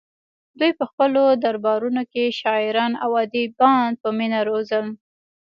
دوی په خپلو دربارونو کې شاعران او ادیبان په مینه روزل